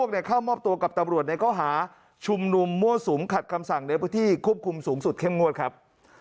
เข้ามอบตัวกับตำรวจในข้อหาชุมนุมมั่วสุมขัดคำสั่งในพื้นที่ควบคุมสูงสุดเข้มงวดครับ